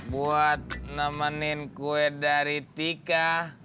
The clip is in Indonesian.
buat nemenin kue dari tika